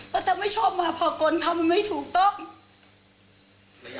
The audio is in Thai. แต่ถ้าไม่ชอบมาพากลทำไม่ถูกต้อง